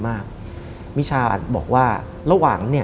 และไม่เคยเข้าไปในห้องมิชชาเลยแม้แต่ครั้งเดียว